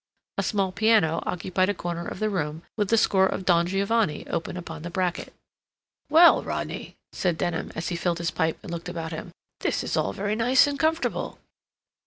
A small piano occupied a corner of the room, with the score of "Don Giovanni" open upon the bracket. "Well, Rodney," said Denham, as he filled his pipe and looked about him, "this is all very nice and comfortable."